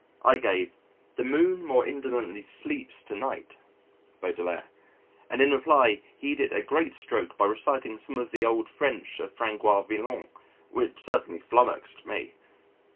I gave, "The Moon more indolently sleeps to night" (Baudelaire), and in reply he did a great stroke by reciting some of the old French of Frangois Villon which entirely flummuxed me.